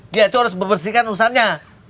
dia itu harus membersihkan urusannya